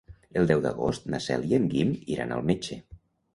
El deu d'agost na Cel i en Guim iran al metge.